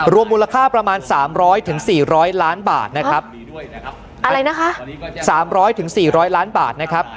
มูลค่าประมาณสามร้อยถึงสี่ร้อยล้านบาทนะครับอะไรนะคะสามร้อยถึงสี่ร้อยล้านบาทนะครับ